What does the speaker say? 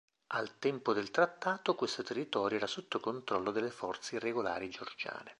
Al tempo del trattato, questo territorio era sotto controllo delle forze irregolari georgiane.